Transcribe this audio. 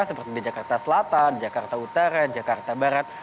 seperti di jakarta selatan jakarta utara jakarta barat